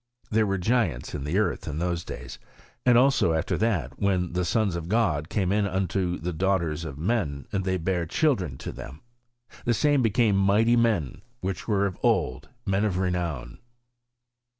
— ^There were giants in the earth in those days; and also after that, when the sons of God came in unto the daughters of men, and they bare children to them ; the same became mighty men, which were of old, men o^ renown."